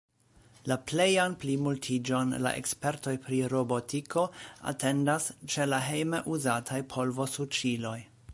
La plejan plimultiĝon la ekspertoj pri robotiko atendas ĉe la hejme uzataj polvosuĉiloj.